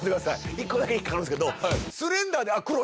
１個だけ引っ掛かるんですけど